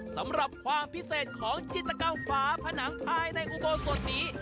สำหรับความพิเศษของจิตกรรมฝาผนังภายในอุโบสถนี้